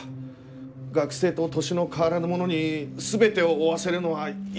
学生と年の変わらぬ者に全てを負わせるのはいささか。